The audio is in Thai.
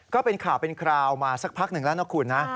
ก็เป็นข่าวเป็นคราวมาสักพักหนึ่งแล้วนะคุณนะ